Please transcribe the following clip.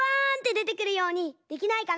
でてくるようにできないかな？